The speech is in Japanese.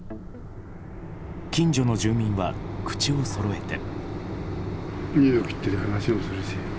近所の住民は、口をそろえて。